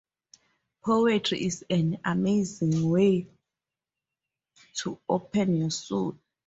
Poetry is an amazing, way to open up your soul.